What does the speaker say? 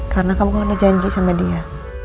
karena kamu ngeliat janji sama dia